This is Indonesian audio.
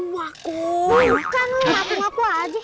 bukan lu ngaku ngaku aja